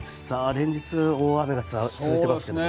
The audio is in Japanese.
連日の大雨が続いていますけれども。